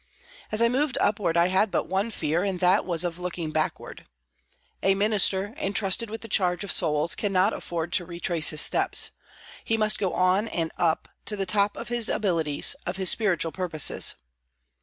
As I moved upward I had but one fear, and that was of looking backward. A minister, entrusted with the charge of souls, cannot afford to retrace his steps. He must go on, and up, to the top of his abilities, of his spiritual purposes.